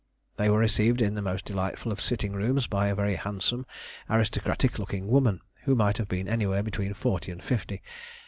They were received in the most delightful of sitting rooms by a very handsome, aristocratic looking woman, who might have been anywhere between forty and fifty.